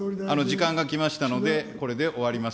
時間が来ましたので、これで終わります。